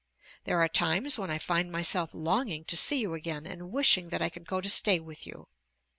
There are times when I find myself longing to see you again, and wishing that I could go to stay with you.